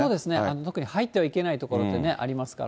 特に入ってはいけない所ってありますから。